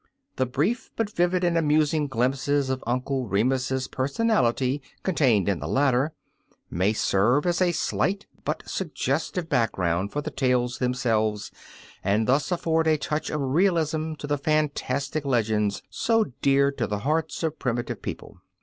The briefs but vivid and amusing glimpses of Uncle Remus^s personality con tained in the latter ^ may serve as a slight but suggestive background for the tales themselves ^ and thus afford a touch of realism to the fan tastic legends so dear to the hearts of primitive people.